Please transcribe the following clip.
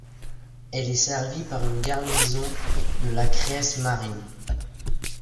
Elle est servie par une garnison de la Kriegsmarine.